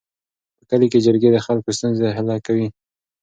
په کلي کې جرګې د خلکو ستونزې حل کوي.